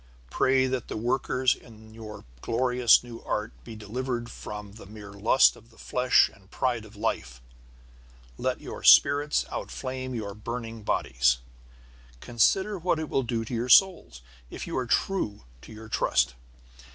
Pray that the workers in this your glorious new art be delivered from the mere lust of the flesh and pride of life. Let your spirits outflame your burning bodies. Consider what it will do to your souls, if you are true to your trust.